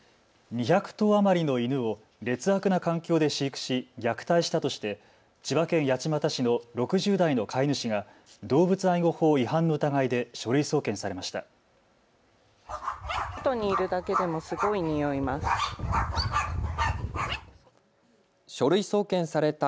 ２００頭余りの犬を劣悪な環境で飼育し虐待したとして千葉県八街市の６０代の飼い主が動物愛護法違反の疑いで書類送検されました。